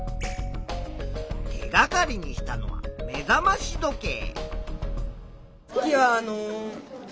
手がかりにしたのは目覚まし時計。